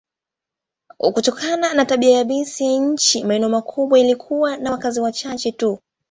Kutokana na tabia yabisi ya nchi, maeneo makubwa yalikuwa na wakazi wachache tu.